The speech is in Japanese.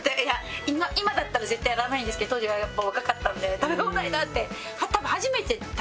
今だったら絶対やらないんですけど当時はやっぱ若かったので食べ放題だ！って。